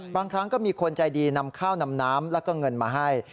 บางครั้งก็มีคนใจดีนำข้าวนำน้ำแล้วก็เงินมาให้